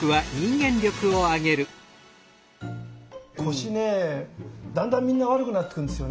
腰ねだんだんみんな悪くなってくるんですよね。